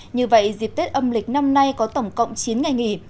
như vậy dịp tết âm lịch năm nay có tổng cộng chín ngày nghỉ